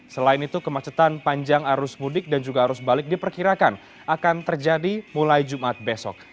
selain itu kemacetan panjang arus mudik dan juga arus balik diperkirakan akan terjadi mulai jumat besok